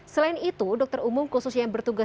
selain itu dokter umum khususnya yang bertugas